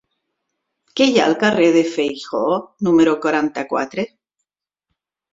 Què hi ha al carrer de Feijoo número quaranta-quatre?